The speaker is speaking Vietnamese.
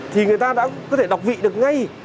thì người ta đã có thể đọc vị được ngay